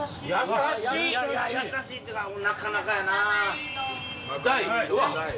やさしいってのはなかなかやな。